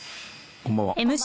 こんばんは。